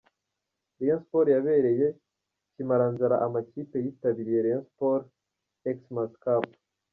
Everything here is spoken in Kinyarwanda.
Rayon Sports yabereye kimaranzara amakipe yitabiriye "Rayon Sports x-mass cup".